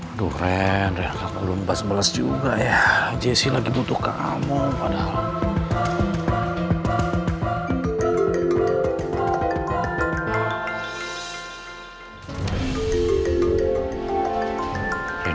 aduh ren ren aku lempas bales juga ya jesi lagi butuh kamu padahal